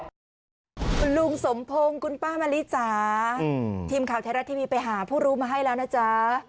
คุณลุงสมพงศ์คุณป้ามะลิสาทีมข่าวไทยรัฐทีวีไปหาผู้รู้มาให้แล้วนะจ๊ะ